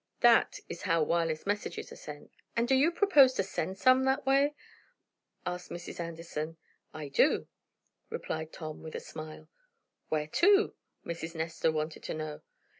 That is how wireless messages are sent." "And do you propose to send some that way?" asked Mrs. Anderson. "I do," replied Tom, with a smile. "Where to?" Mrs. Nestor wanted to know.